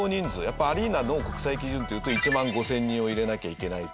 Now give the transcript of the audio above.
やっぱりアリーナの国際基準というと１万５０００人を入れなきゃいけない。